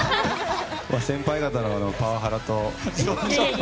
先輩方のパワハラと。